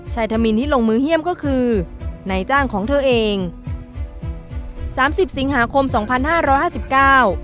ธมินที่ลงมือเยี่ยมก็คือนายจ้างของเธอเองสามสิบสิงหาคมสองพันห้าร้อยห้าสิบเก้า